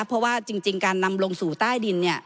เพราะว่าจริงการนำลงสู่ใดดินเนี่ย